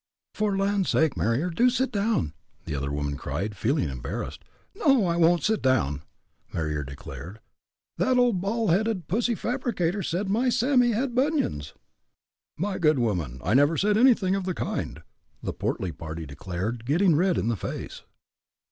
"For the land's sake, Marier, do set down," the other woman cried, feeling embarrassed. "No I won't set down!" Marier declared. "That old bald headed, pussy fabricator said my Sammy had bunions!" "My good woman, I never said anything of the kind," the portly party declared, getting red in the face.